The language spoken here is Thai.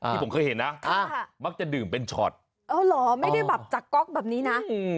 ที่ผมเคยเห็นนะมักจะดื่มเป็นช็อตอ๋อเหรอไม่ได้แบบจากก๊อกแบบนี้นะ